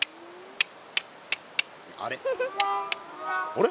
あれ？